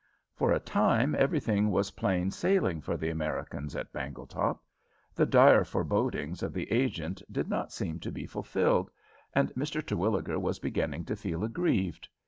For a time everything was plain sailing for the Americans at Bangletop. The dire forebodings of the agent did not seem to be fulfilled, and Mr. Terwilliger was beginning to feel aggrieved.